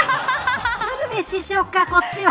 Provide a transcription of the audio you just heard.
鶴瓶師匠か、こっちは。